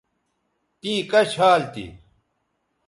تیں کش حال تھی